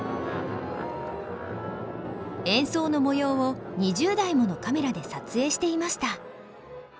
演奏の模様を２０台ものカメラで撮影していました。